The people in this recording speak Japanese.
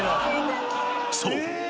［そう。